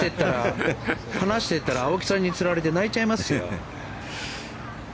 話していったら青木さんにつられて泣いちゃいますよ。